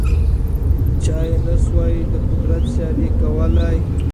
چا یې نه سوای د قدرت سیالي کولای